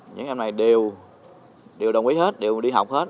những em này đều đồng ý hết đều đi học hết